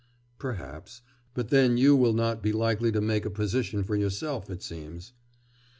'Perhaps; but then you will not be likely to make a position for yourself, it seems.